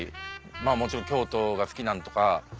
もちろん京都が好きなんとか。